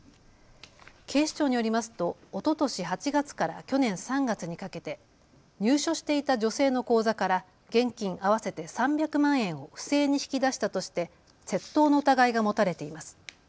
警視庁によりますとおととし８月から去年３月にかけて入所していた女性の口座から現金合わせて３００万円を不正に引き出したとして窃盗の疑いが持たれています。